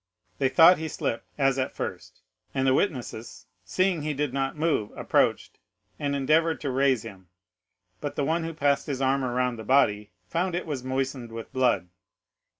They thought he slipped, as at first, and the witnesses, seeing he did not move, approached and endeavored to raise him, but the one who passed his arm around the body found it was moistened with blood.